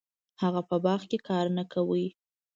هغه په باغ کې کار نه کاوه.